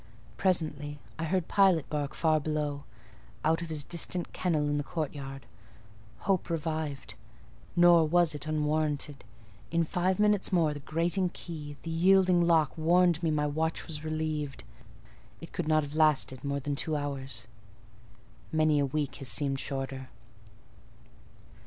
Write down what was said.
Presently I heard Pilot bark far below, out of his distant kennel in the courtyard: hope revived. Nor was it unwarranted: in five minutes more the grating key, the yielding lock, warned me my watch was relieved. It could not have lasted more than two hours: many a week has seemed shorter.